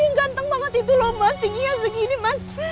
ini ganteng banget itu loh mas tingginya segini mas